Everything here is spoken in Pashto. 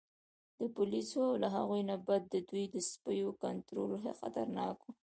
د پولیسو او له هغې نه بد د دوی د سپیو کنترول خطرناک و.